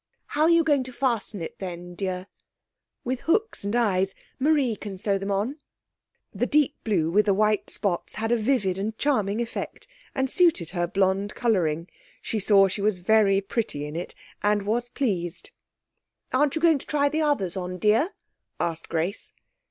'How are you going to fasten it, then, dear?' 'With hooks and eyes. Marie can sew them on.' The deep blue with the white spots had a vivid and charming effect, and suited her blonde colouring; she saw she was very pretty in it, and was pleased. 'Aren't you going to try the others on, dear?' asked Grace.